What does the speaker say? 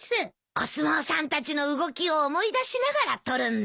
お相撲さんたちの動きを思い出しながら取るんだ。